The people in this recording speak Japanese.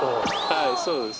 はいそうです